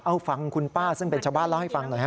เอาฟังคุณป้าซึ่งเป็นชาวบ้านเล่าให้ฟังหน่อยฮ